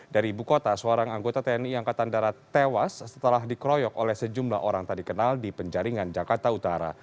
dari ibu kota seorang anggota tni angkatan darat tewas setelah dikroyok oleh sejumlah orang tadi kenal di penjaringan jakarta utara